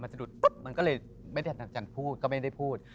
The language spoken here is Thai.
มันสะดุดปุ๊บมันก็เลยไม่ทันทันทันพูดก็ไม่ได้พูด